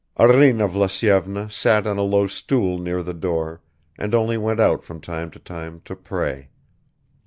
Arina Vlasyevna sat on a low stool near the door and only went out from time to time to pray.